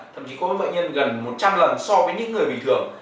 thậm chí có bệnh nhân gần một trăm linh lần so với những người bình thường